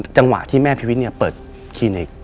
จังหวะที่แม่พีวิทย์เปิดคลินิก